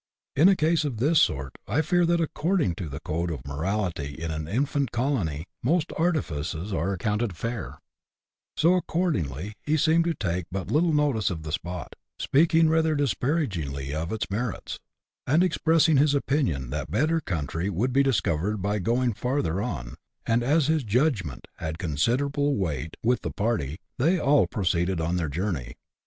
In a case of this sort, I fear that, according to the code of morality in an infant colony, most arti fices are accounted fair ; so accordingly he seemed to take but little notice of the spot, speaking rather disparagingly of its merits, and expressing his opinion that better country would be discovered by going farther on, and, as his judgment had consi derable weight with the party, they all proceeded on their journey